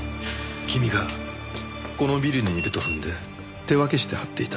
君がこのビルにいると踏んで手分けして張っていた。